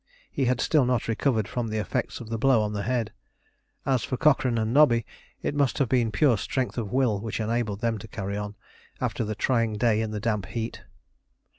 He had still not recovered from the effects of the blow on the head. As for Cochrane and Nobby, it must have been pure strength of will which enabled them to carry on, after the trying day in the damp heat.